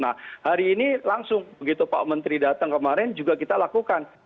nah hari ini langsung begitu pak menteri datang kemarin juga kita lakukan